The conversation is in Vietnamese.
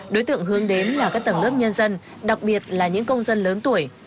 đối tượng hướng đến là các tầng lớp nhân dân đặc biệt là những công dân lớn tuổi